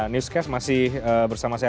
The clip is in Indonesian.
newscast masih bersama saya